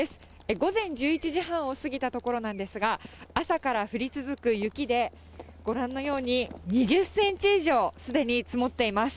午前１１時半を過ぎたところなんですが、朝から降り続く雪で、ご覧のように、２０センチ以上、すでに積もっています。